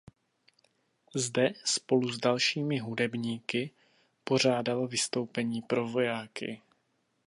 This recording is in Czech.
Zde spolu s dalšími hudebníky pořádal vystoupení pro vojáky.